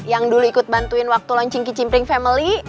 yang dulu ikut bantuin waktu launching kicimpring family